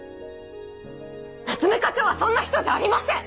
夏目課長はそんな人じゃありません！